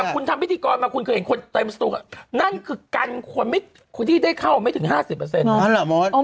คุณทำพิธีกรมาคุณเคยเห็นคนเต็มสตูนั่นคือกันคนที่ได้เข้าไม่ถึง๕๐